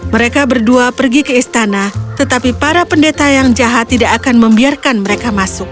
mereka berdua pergi ke istana tetapi para pendeta yang jahat tidak akan membiarkan mereka masuk